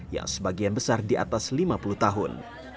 yang sebagian besar di atas lima puluh tahun